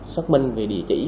xác minh về địa chỉ